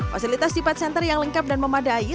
fasilitas depad center yang lengkap dan memadai